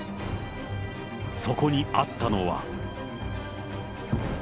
そこにあったのは。